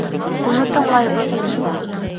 Уны тыңлайбыҙ.